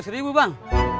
seratus ribu bang